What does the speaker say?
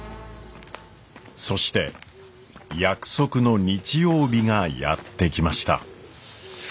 そして約束の日曜日がやって来ました。